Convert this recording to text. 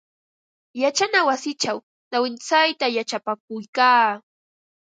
Yachana wasichaw nawintsayta yachapakuykaa.